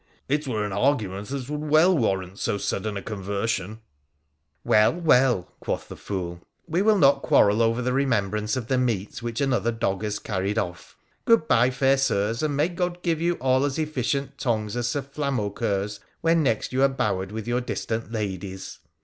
It were an argument that would well warrant so sudden a conversion !'' Well ! Well !' quoth the fool, ' we will not quarrel over the remembrance of the meat which another dog has carried off. Good bye, fair Sirs, and may God give you all as efficient tongues as Sir Flamaucoeur's when next you are bowered with your distant ladies